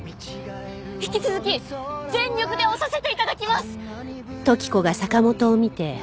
引き続き全力で推させて頂きます！